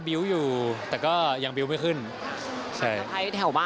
แม่ค่ะแม่ค่ะ